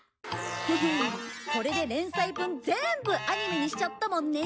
ヘヘンこれで連載分全部アニメにしちゃったもんね。